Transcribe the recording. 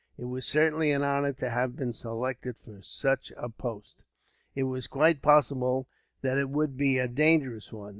It was certainly an honor, to have been selected for such a post. It was quite possible that it would be a dangerous one.